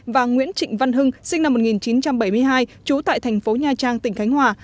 và nguyễn trịnh văn hưng sinh năm một nghìn chín trăm bảy mươi hai trú tại thành phố nha trang tỉnh khánh hòa